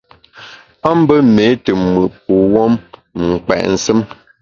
A mbe méé te mùt kuwuom, m’ nkpèt nsùm.